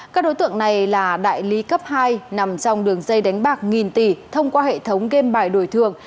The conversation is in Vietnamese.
các đối tượng này là đại lý cấp hai nằm trong đường dây đánh bạc nghìn tỷ thông qua hệ thống game bài đổi thường